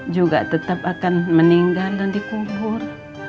juga tetap akan meninggal dan dikubur